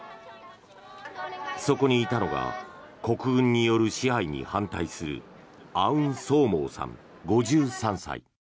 そこにいたのが国軍による支配に反対するアウンソーモーさん、５３歳。